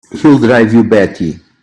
He'll drive you batty!